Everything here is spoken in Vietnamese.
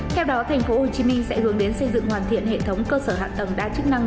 theo đó tp hcm sẽ hướng đến xây dựng hoàn thiện hệ thống cơ sở hạ tầng đa chức năng